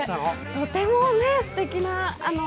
とてもすてきな、あの。